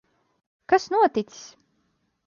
Kas noticis?